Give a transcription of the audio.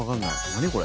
何これ？